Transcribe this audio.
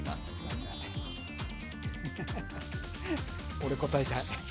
俺、答えたい。